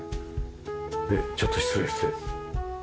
ちょっと失礼して。